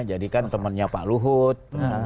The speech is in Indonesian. jadi kan temennya pak luhut